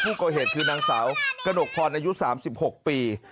ผู้ก่อเหตุคือนางสาวกระหนกพรอายุ๓๖ปี